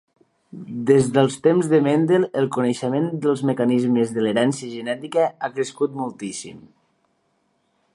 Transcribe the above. Des dels temps de Mendel el coneixement dels mecanismes de l'herència genètica ha crescut moltíssim.